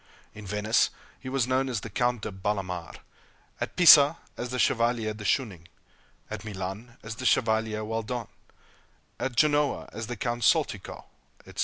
In Venice, he was known as the Count de Bellamare; at Pisa, as the Chevalier de Schoening; at Milan, as the Chevalier Welldone; at Genoa, as the Count Soltikow, etc.